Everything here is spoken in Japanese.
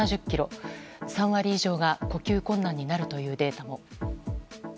３割以上が呼吸困難になるというデータも。